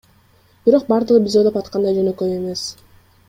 Бирок бардыгы биз ойлоп аткандай жөнөкөй эмес.